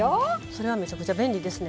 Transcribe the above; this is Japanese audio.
それはめちゃくちゃ便利ですね。